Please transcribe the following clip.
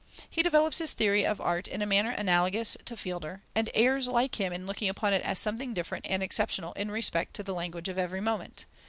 He develops his theory of art in a manner analogous to Fiedler, and errs like him in looking upon it as something different and exceptional in respect to the language of every moment.